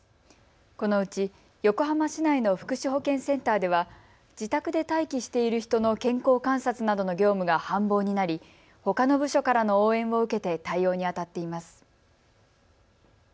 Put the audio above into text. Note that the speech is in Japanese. このうち横浜市内の福祉保健センターでは自宅で待機している人の健康観察などの業務が繁忙になりほかの部署からの応援を受けて対応にあたっています。